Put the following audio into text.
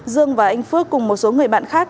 dương và anh phước cùng một số người bạn khác